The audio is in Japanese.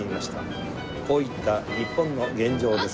こういった日本の現状です。